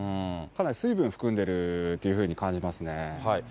かなり水分を含んでるというふうに感じますね。